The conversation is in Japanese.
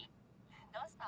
どうした？